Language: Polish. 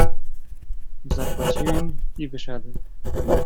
"Zapłaciłem i wyszedłem."